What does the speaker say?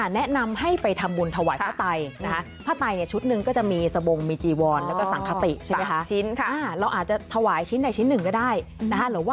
แนะนำให้ไปทำบุญถวายผ้าไต่นะฮะ